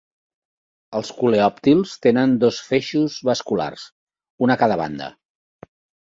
Els coleòptils tenen dos feixos vasculars, un a cada banda.